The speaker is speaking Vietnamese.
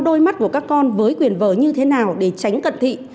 đôi mắt của các con với quyền vở như thế nào để tránh cần thị